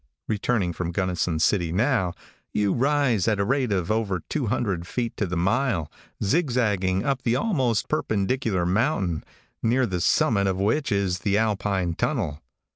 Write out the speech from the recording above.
Returning from Gunnison City, now, you rise at a rate of over 200 feet to the mile, zig zagging up the almost perpendicular mountain, near the summit of which is the Alpine tunnel.